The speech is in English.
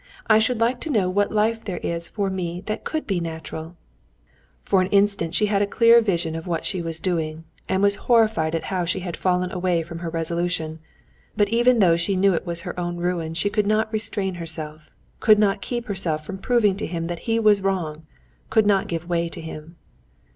I should like to know what life there is for me that could be natural!" For an instant she had a clear vision of what she was doing, and was horrified at how she had fallen away from her resolution. But even though she knew it was her own ruin, she could not restrain herself, could not keep herself from proving to him that he was wrong, could not give way to him.